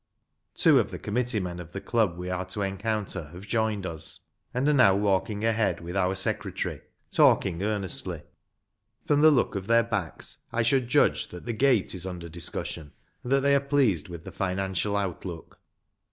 Two of the committee men of the club we are to encounter have joined us, and are now A MODERN GAME OF RUGBY FOOTBALL. 199 walking ahead with our secretary, talking earnestly. From the look of their backs, I should judge that the " gate " is under discussion, and that they are pleased with the financial outlook.